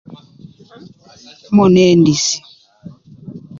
Mon endis.